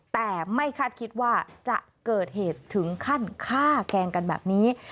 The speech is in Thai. แต่ไม่คาดคิดว่าจะเกิดเหตุถึงขั้นฆ่าแกงกันแบบนี้